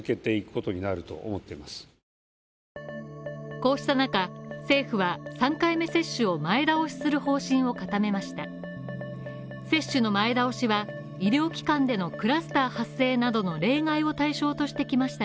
こうした中、政府は３回目接種を前倒しする方針を固めました。